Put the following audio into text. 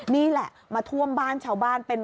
นี่แหละมาท่วมบ้านชาวบ้านเป็น